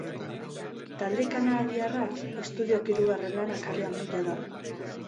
Talde kanadarrak estudioko hirugarren lana kalean du jada.